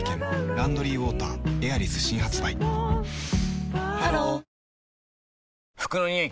「ランドリーウォーターエアリス」新発売ハロー服のニオイ